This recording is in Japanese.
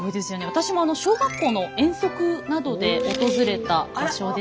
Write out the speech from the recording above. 私も小学校の遠足などで訪れた場所です。